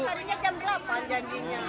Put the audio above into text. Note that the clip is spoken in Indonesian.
tari jam berapa janjinya